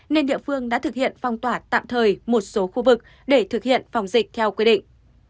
nên địa phương đã thực hiện phong tỏa tạm thời một số khu vực để thực hiện phòng dịch theo quy định